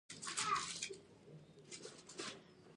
مشروطه شاهي د اساسي قانون په بنسټ ولاړه وي.